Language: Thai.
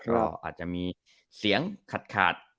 ก็อาจจะมีเสียงขาด